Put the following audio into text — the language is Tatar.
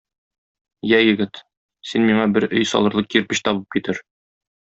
Йә, егет, син миңа бер өй салырлык кирпеч табып китер.